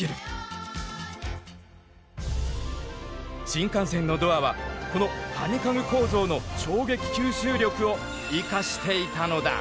新幹線のドアはこのハニカム構造の衝撃吸収力を生かしていたのだ。